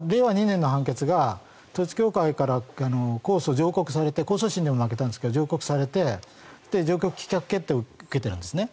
最高裁判決を持ってきたんですがこの令和２年の判決が統一教会から控訴、上告されて控訴審でも負けたんですけど上告されて、上告棄却決定を受けているんですね。